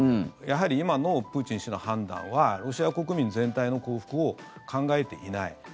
やはり今のプーチン氏の判断はロシア国民全体の幸福を考えていない。